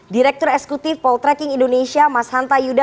direktur eksekutif poltreking indonesia mas hanta yuda